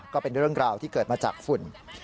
ก็เป็นเรื่องราวที่เกิดมาจากฝุ่น